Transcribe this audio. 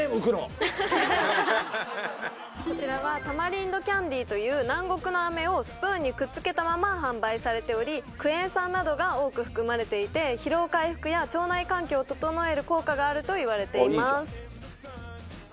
こちらはタマリンドキャンディーという南国のあめをスプーンにくっつけたまま販売されておりクエン酸などが多く含まれていて疲労回復や腸内環境を整える効果があるといわれています